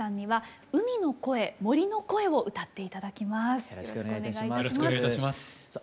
はい。